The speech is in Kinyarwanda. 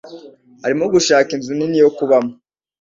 arimo gushaka inzu nini yo kubamo.